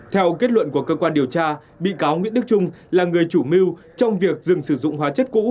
theo kết luận của cơ quan điều tra bị cáo nguyễn đức trung là người chủ mưu trong việc dừng sử dụng hóa chất cũ